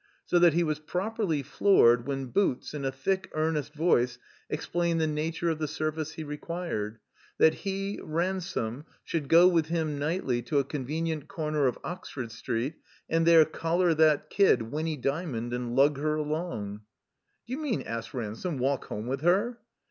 So that he was properly fioored when Boots, in a thick, earnest voice, explained the nattu*e of the service he required — ^that he, Ransome^ should go I? THE COMBINED MAZE with him, nightly, to a convenient comer of Oxford Street, and there collar that kid, Winny Dymond, and lug her along. *'Do you mean," asked Ransome, "walk home with her?"